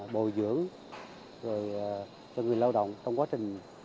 bồi dưỡng cho người lao động trong quá trình